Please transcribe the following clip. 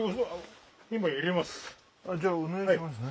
じゃあお願いしますね。